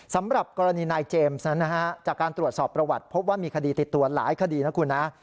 สำหรับกรณีนายเจมส์นั้นนะฮะจากการตรวจสอบประวัติพบว่ามีคดีติดตัวหลายคดีนะคุณนะ